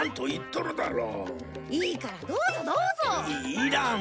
いらん！